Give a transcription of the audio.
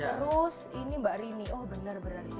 terus ini mbak rini oh benar benar